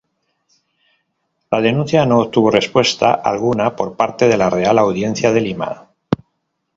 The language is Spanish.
La denuncia no obtuvo respuesta alguna por parte de la Real Audiencia de Lima.